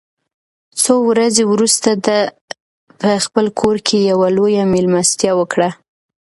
څو ورځې وروسته ده په خپل کور کې یوه لویه مېلمستیا وکړه.